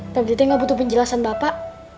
pebri nggak butuh penjelasan bapak